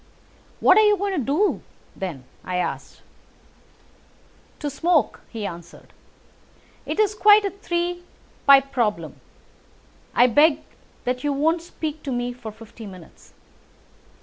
"What are you going to do, then?" I asked. "To smoke," he answered. "It is quite a three pipe problem, and I beg that you won't speak to me for fifty minutes."